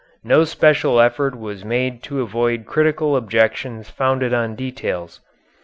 No special effort was made to avoid critical objections founded on details.